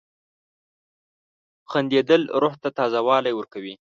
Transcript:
• خندېدل روح ته تازه والی ورکوي.